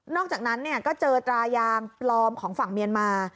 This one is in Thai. อกจากนั้นก็เจอตายางปลอมของฝั่งเมียนมา